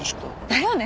だよね。